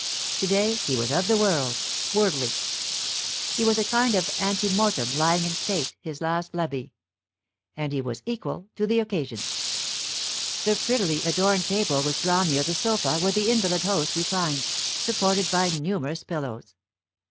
To day he was of the world, worldly. It was a kind of ante mortem lying in state his last levee; and he was equal to the occasion. The prettily adorned table was drawn near the sofa where the invalid host reclined, supported by numerous pillows.